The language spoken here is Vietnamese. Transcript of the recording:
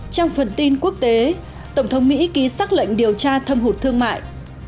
trong phần tin quốc tế tổng thống mỹ ký xác lệnh điều tra thâm hụt thương mại